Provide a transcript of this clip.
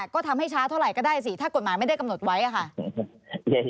ก็ทำให้ช้าเท่าไหร่ก็ได้สิถ้ากฎหมายไม่ได้กำหนดไว้อะค่ะ